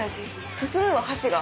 進むわ箸が。